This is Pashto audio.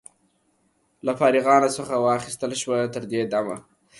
له فارغانو څخه واخیستل شوه. تر دې دمه